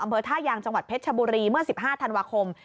อำเภอท่ายางจังหวัดเพชรชบุรีเมื่อ๑๕ธันวาคม